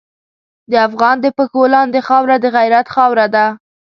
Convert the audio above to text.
د افغان د پښو لاندې خاوره د غیرت خاوره ده.